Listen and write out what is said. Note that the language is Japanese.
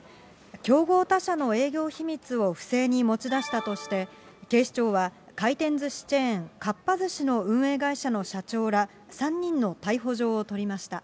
競合他社の営業秘密を不正に持ち出したとして、警視庁は回転ずしチェーン、かっぱ寿司の運営会社の社長ら３人の逮捕状を取りました。